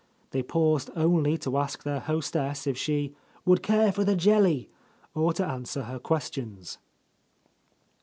They paused only to ask their hostess if she "would care for the jelly," or to answer her ques tions.